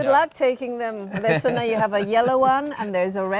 lebih cepat kamu akan memiliki yang warna merah dan yang merah di sana